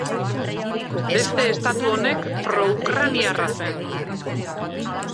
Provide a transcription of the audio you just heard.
Beste estatu honek Pro-Ukraniarra zen.